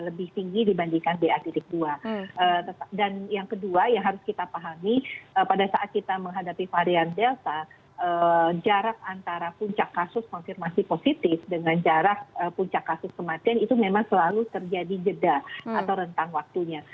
lebih tinggi dibandingkan ba dua dan yang kedua yang harus kita pahami pada saat kita menghadapi varian delta jarak antara puncak kasus konfirmasi positif dengan jarak puncak kasus kematian itu memang selalu terjadi jeda atau rentang waktunya